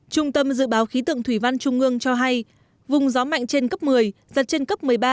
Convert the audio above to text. trung tâm dự báo khí tượng thủy văn trung ương cho hay vùng gió mạnh trên cấp một mươi giật trên cấp một mươi ba